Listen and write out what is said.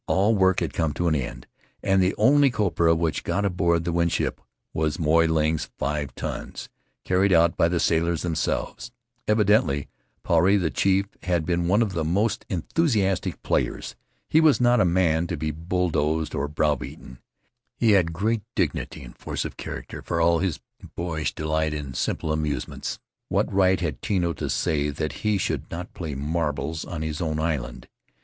All work came to an end, and the only copra which got aboard the Winship was Moy Ling's five tons, carried out by the sailors themselves. Evi dently Puarei, the chief, had been one of the most enthusiastic players. He was not a man to be bull dozed or browbeaten. He had great dignity and force of character, for all his boyish delight in simple amuse ments. What right had Tino to say that he should not play marbles on his own island?